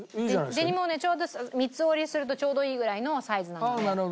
デニムをね三つ折りにするとちょうどいいぐらいのサイズなので。